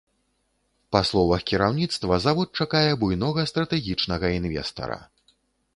Па словах кіраўніцтва, завод чакае буйнога стратэгічнага інвестара.